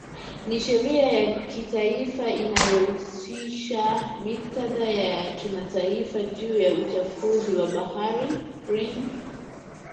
Ni sheria ya kitaifa inayohusisha mikataba ya kimataifa juu ya uchafuzi wa baharini